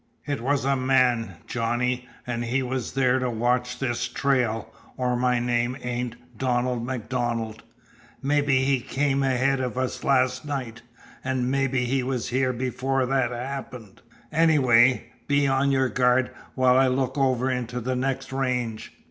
It was a man, Johnny, an' he was there to watch this trail, or my name ain't Donald MacDonald. Mebby he came ahead of us last night, an' mebby he was here before that happened. Anyway, be on your guard while I look over into the next range."